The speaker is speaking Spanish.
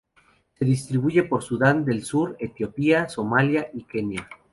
Se distribuye por Sudán del Sur, Etiopía, Somalia y Kenia.